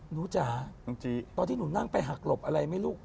จ๋าตอนที่หนูนั่งไปหักหลบอะไรไหมลูก